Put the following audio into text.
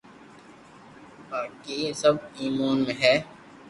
ماقي سب ايمي ھي